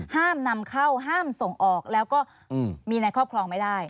ห้ามนำเข้าห้ามส่งออกแล้วก็มีในครอบครองไม่ได้